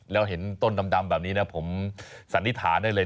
แล้วเห็นต้นดำแบบนี้นะผมสันนิษฐานได้เลย